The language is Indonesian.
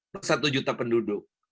per satu juta penduduk